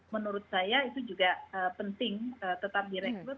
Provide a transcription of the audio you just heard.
menurut saya itu juga penting tetap direkrut